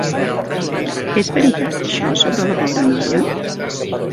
És veritat això sobre la pobra noia?